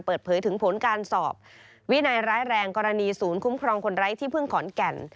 เปิดเผยถึงผลการสอบวินัยร้ายแรงกรณีศูนย์คุ้มครองคนไร้ที่พึ่งขอนแก่น